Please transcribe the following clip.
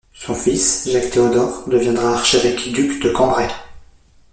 Son fils, Jacques-Théodore, deviendra archevêque-duc de Cambrai.